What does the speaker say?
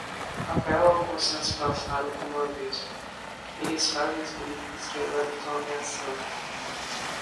Apela ao consenso passado como aviso, eles fazem as políticas que agora estão ameaçando.